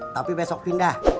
tapi besok pindah